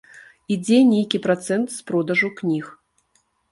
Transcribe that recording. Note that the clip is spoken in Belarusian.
Ідзе нейкі працэнт з продажу кніг.